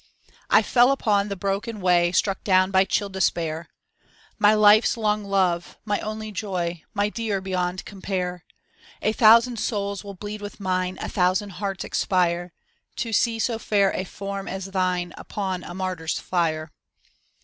I fell upon the broken way, struck down by chill despair : "My life's long love, my only joy, my dear beyond compare, A thousand souls will bleed with mine, a thousand hearts expire. To see so fair a form as thine upon a martyr's fire."